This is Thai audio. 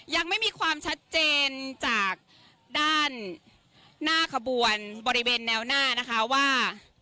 ยังไม่มีความชัดเจนจากด้านหน้าขบวนบริเวณแนวหน้านะคะว่า